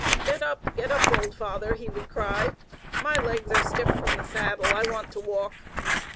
"Get up, get up, old father!" he would cry. "My legs are stiff from the saddle. I want to walk."